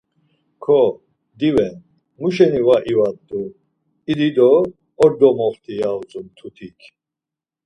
Ko, diven muşeni var ivat̆u, idi do ordo moxti ya utzu mtutik.